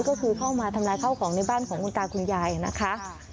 ก็คือเข้ามาทำลายข้าวของในบ้านของคุณตาคุณยายนะคะ